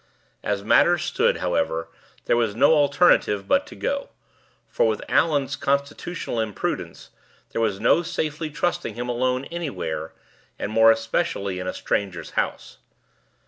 As matters stood, however, there was no alternative but to go; for, with Allan's constitutional imprudence, there was no safely trusting him alone anywhere, and more especially in a stranger's house.